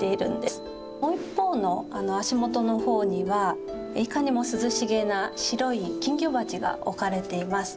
もう一方の足元の方にはいかにも涼しげな白い金魚鉢が置かれています。